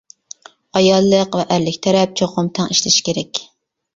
ئاياللىق ۋە ئەرلىك تەرەپ چوقۇم تەڭ ئىشلىشى كېرەك.